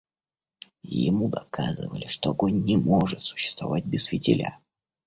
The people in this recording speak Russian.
Ему доказывали, что огонь не может существовать без фитиля.